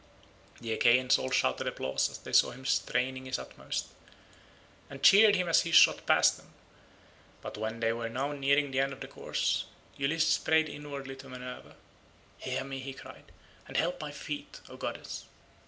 The Achaeans all shouted applause as they saw him straining his utmost, and cheered him as he shot past them; but when they were now nearing the end of the course Ulysses prayed inwardly to Minerva. "Hear me," he cried, "and help my feet, O goddess."